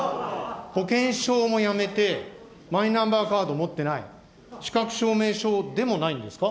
保険証をやめて、マイナンバーカードを持ってない、資格証明書でもないんですか。